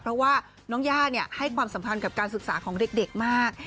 เพราะว่าน้องย่าให้ความสัมพันธ์กับการศึกษาของเด็กมาก